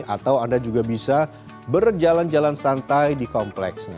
atau anda juga bisa berjalan jalan santai di kompleksnya